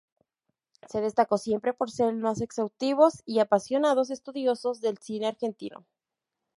Se destacó siempre por ser el más exhaustivos y apasionados estudiosos del cine argentino.